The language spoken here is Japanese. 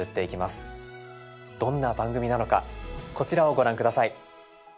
どんな番組なのかこちらをご覧下さい。